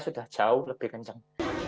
sudah jauh lebih kencang